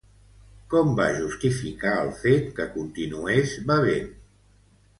Com va justificar el fet que continués bevent?